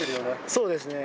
そうですね。